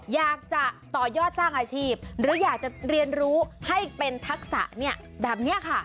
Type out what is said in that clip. อยากจะต่อยอดสร้างอาชีพหรืออยากจะเรียนรู้ให้เป็นทักษะแบบนี้ค่ะ